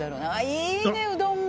いいね、うどんも。